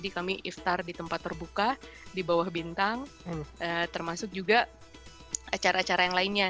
kami iftar di tempat terbuka di bawah bintang termasuk juga acara acara yang lainnya